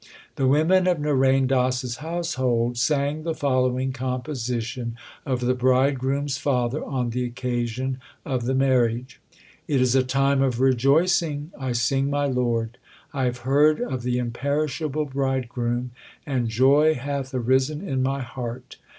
The women of Narain Das s household sang the following composition of the bridegroom s father on the occasion of the marriage : It is a time of rejoicing, I sing my Lord ; I have heard of the imperishable Bridegroom, and joy hath arisen in my heart.